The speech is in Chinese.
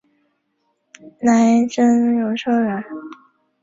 来瑱永寿人。